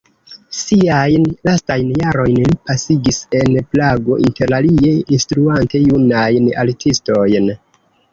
Siajn lastajn jarojn li pasigis en Prago, interalie instruante junajn artistojn.